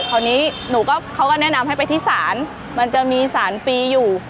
คราวนี้หนูก็เขาก็แนะนำให้ไปที่ศาลมันจะมีสารปีอยู่